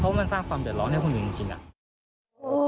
เพราะมันสร้างความเดือดร้อนให้คนอื่นจริงอะ